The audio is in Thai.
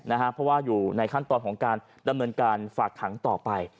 เพราะว่าอยู่ในขั้นตอนของการดำเนินการฝากขังต่อไป